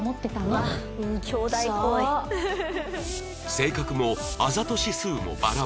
性格もあざと指数もバラバラ